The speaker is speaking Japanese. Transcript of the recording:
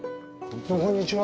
こんにちは。